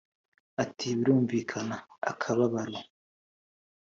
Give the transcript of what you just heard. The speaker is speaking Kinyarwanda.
Ati “Birumvikana akababaro